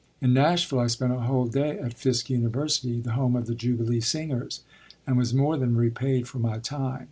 In Nashville I spent a whole day at Fisk University, the home of the "Jubilee Singers," and was more than repaid for my time.